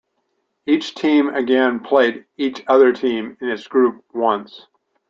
Each team again played each other team in its group once.